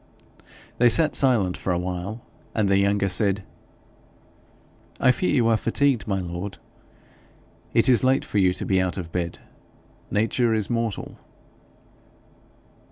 They sat silent for a while, and the younger said: 'I fear you are fatigued, my lord. It is late for you to be out of bed; nature is mortal.'